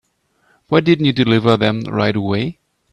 Why didn't you deliver them right away?